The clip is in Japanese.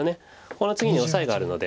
この次にオサエがあるので。